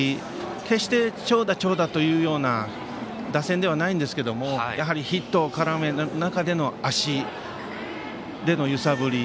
決して長打、長打というような打線ではないんですけれどもヒットを絡める中での足での揺さぶり。